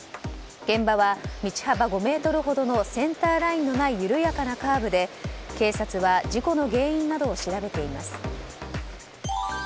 現場は道幅５ｍほどのセンターラインのない緩やかなカーブで警察は、事故の原因などを調べています。